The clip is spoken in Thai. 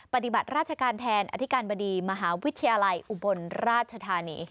ปฏิบัติราชการแทนอธิการบดีมหาวิทยาลัยอุบลราชธานี